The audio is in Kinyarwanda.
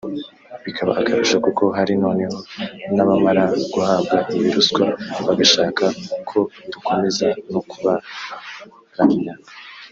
bikaba akarusho kuko hari noneho n’abamara guhabwa iyi ruswa bagashaka ko dukomeza no kubaramya